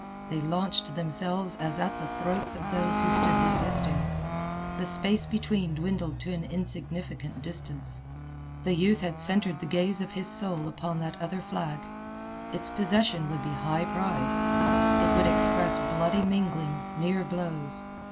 They launched themselves as at the throats of those who stood resisting. The space between dwindled to an insignificant distance. The youth had centered the gaze of his soul upon that other flag. Its possession would be high pride. It would express bloody minglings, near blows.